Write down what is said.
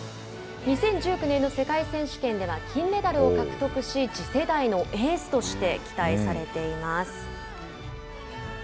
２０１９年の世界選手権では金メダルを獲得し次世代のエースとして期待されています。